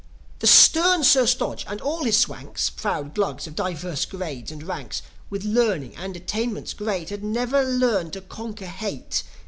The stern Sir Stodge and all his Swanks Proud Glugs of divers grades and ranks, With learning and attainments great Had never learned to conquer hate.